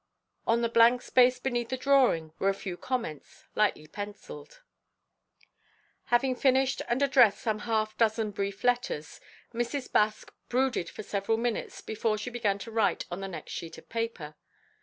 On the blank space beneath the drawing were a few comments, lightly pencilled. Having finished and addressed some half a dozen brief letters, Mrs. Baske brooded for several minutes before she began to write on the next sheet of paper.